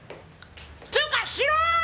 つうかしろー！